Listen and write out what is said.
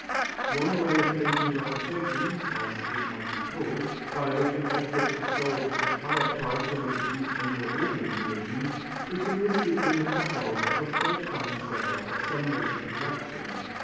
One way of faking reputations, as it might be called, by which an object is sold at a higher price than it would reach under ordinary conditions, is to list it in the catalogue of a forthcoming sale of some noted collection.